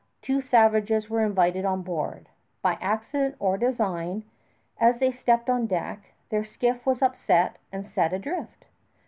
Two savages were invited on board. By accident or design, as they stepped on deck, their skiff was upset and set adrift.